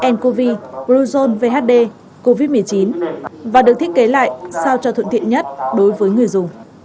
ncov bluezone vhd covid một mươi chín và được thiết kế lại sao cho thuận tiện nhất đối với người dùng